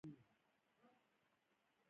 ایا ستاسو مزاج برابر نه دی؟